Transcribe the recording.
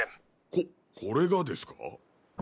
ここれがですか？